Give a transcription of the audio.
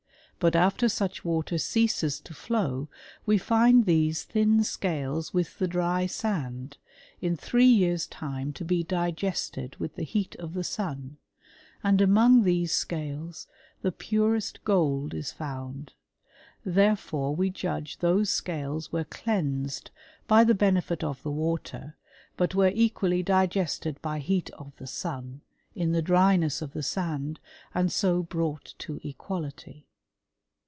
But after such water ceases to flow, we find these thin scales with the dry sand, in three years time to be digested with the heat of the sun ; and among these scales the purest gold is found : therefore we judge those scales were cleansed by the benefit of the water, but were equally digested by heat of the sun, in the dryness of the sand, and so brought to equality."